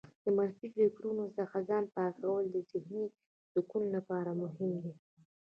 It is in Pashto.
د منفي فکرونو څخه ځان پاکول د ذهنې سکون لپاره مهم دي.